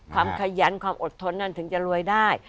ขยันความอดทนนั้นถึงจะรวยได้